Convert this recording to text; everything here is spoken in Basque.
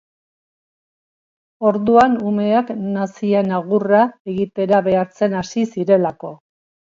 Orduan, umeak nazien agurra egitera behartzen hasi zirelako.